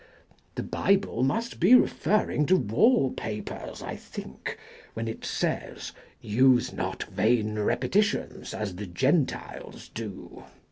The Bible must be referring to wall papers, I think, when it says, "Use not vain repeti tions, as the Gentiles do."